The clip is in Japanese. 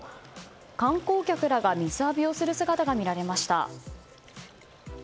観光客らが、水浴びをする姿が見られました。